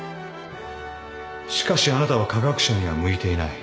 しかしあなたは科学者には向いていない。